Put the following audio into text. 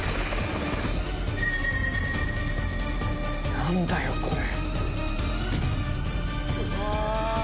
何だよこれ。